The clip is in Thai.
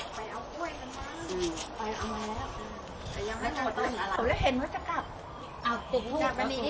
ไปเอากล้วยกันนะไปเอามาแล้วครับแต่ยังไม่ได้หมดตั้งอะไร